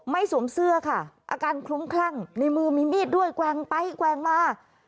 สวมเสื้อค่ะอาการคลุ้มคลั่งในมือมีมีดด้วยแกว่งไปแกว่งมา